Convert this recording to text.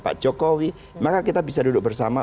pak jokowi maka kita bisa duduk bersama